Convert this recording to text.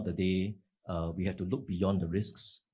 kita harus melihat kebawah risiko